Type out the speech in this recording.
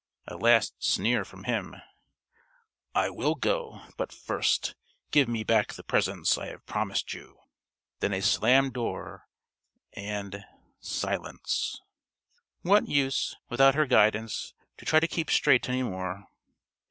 A last sneer from him, "I will go, but first give me back the presents I have promised you!" Then a slammed door and silence. What use, without her guidance, to try to keep straight any more?